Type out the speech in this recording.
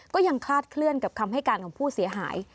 คลาดเคลื่อนกับคำให้การของผู้เสียหาย